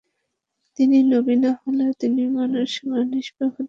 তিনি নবী না হলে তিনি মাসুম বা নিষ্পাপ হতেন না।